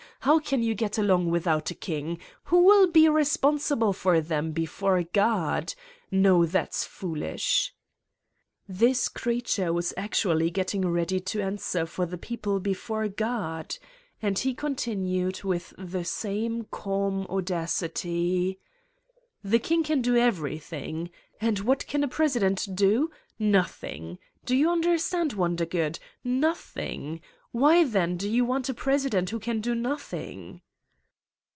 How can you get along without a king : who will be responsible for them before God? No, that's foolish." This creature was actually getting ready to answer for the people before God ! And he con tinued with the same calm audacity: 1 ' The king can do everything. And what can a president do? Nothing. Do you understand, "Wondergood Nothing! "Why, then, do you want a president who can do nothing?